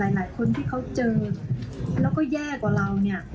หลายคนที่เขาเจอแล้วก็แย่กว่าเราเนี่ย